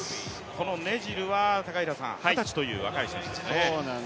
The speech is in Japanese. このネジルは二十歳という若い選手ですね。